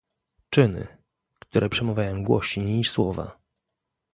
czyny, które przemawiają głośniej niż słowa